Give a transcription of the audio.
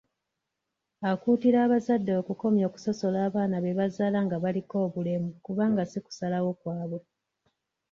Akuutira abazadde okukomya okusosola abaana be bazaala nga baliko obulemu kubanga si kusalawo kwabwe.